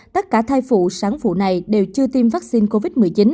tất cả thai phụ sáng phụ này đều chưa tiêm vaccine covid một mươi chín